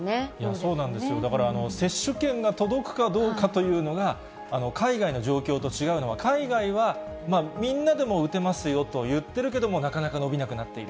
そうなんですよ、だから接種券が届くかどうかというのが、海外の状況と違うのは、海外はみんなでも打てますよといっているけれども、なかなか伸びなくなっている。